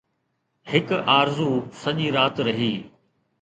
هڪ آرزو سڄي رات رهي